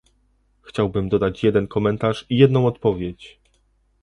Chciałbym dodać jeden komentarz i jedną odpowiedź